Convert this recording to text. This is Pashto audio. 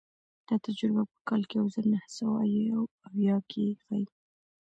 دا تجربه په کال یو زر نهه سوه یو اویا کې ښيي.